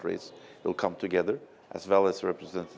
việt nam sẽ đưa về một phần của asean